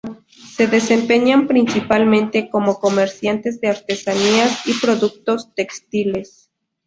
Se desempeñan principalmente como comerciantes de artesanías y productos textiles.